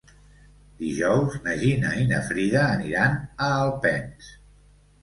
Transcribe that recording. Dijous na Gina i na Frida aniran a Alpens.